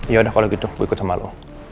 yaudah kalau gitu gue ikut sama lo